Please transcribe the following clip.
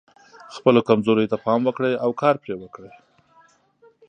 خپلو کمزوریو ته پام وکړئ او کار پرې وکړئ.